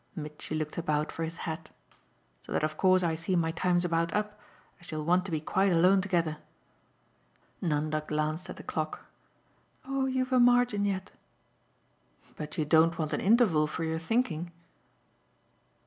Mitchy looked about for his hat. "So that of course I see my time's about up, as you'll want to be quite alone together." Nanda glanced at the clock. "Oh you've a margin yet." "But you don't want an interval for your thinking